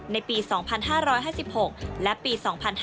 ในปี๒๕๕๖และปี๒๕๕๙